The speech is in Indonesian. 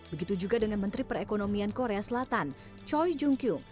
begitu juga dengan menteri perekonomian korea selatan choi jung kyung